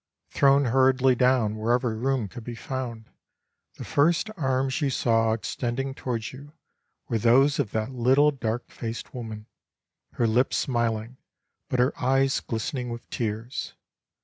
Thrown hurriedly down wherever room could be found, the first arms you saw extending towards you, were those of that little dark faced woman, her lips smiling, but her eyes glistening with tears.